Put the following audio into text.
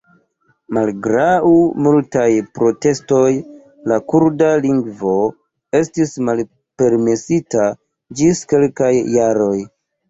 Malgraŭ multaj protestoj la kurda lingvo estis malpermesita ĝis kelkaj jaroj.